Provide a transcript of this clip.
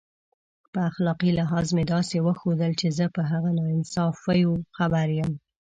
په اخلاقي لحاظ مې داسې وښودل چې زه په هغه ناانصافیو خبر یم.